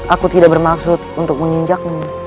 aku tidak bermaksud untuk menginjakmu